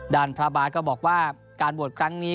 พระบาทก็บอกว่าการบวชครั้งนี้